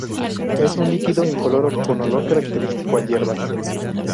Es un líquido incoloro con olor característico a hierbas.